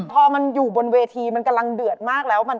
พอมันอยู่บนเวทีมันกำลังเดือดมากแล้ว